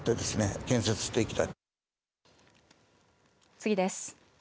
次です。